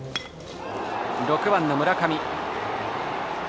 ６番の村上。